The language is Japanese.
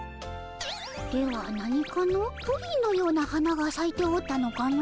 では何かのプリンのような花がさいておったのかの。